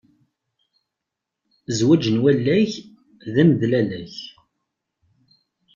Zzwaǧ n walag d amedlalag.